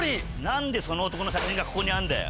何でその男の写真がここにあるんだよ？